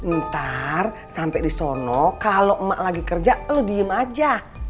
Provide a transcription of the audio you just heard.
ntar sampai di sono kalau emak lagi kerja lo diem aja